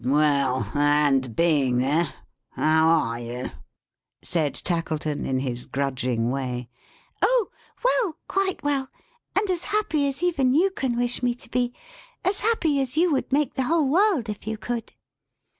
"Well! and being there, how are you?" said Tackleton; in his grudging way. "Oh! well; quite well. And as happy as even you can wish me to be. As happy as you would make the whole world, if you could!"